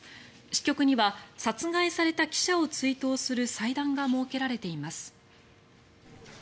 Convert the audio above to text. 支局には殺害された記者を追悼する祭壇が設けられています。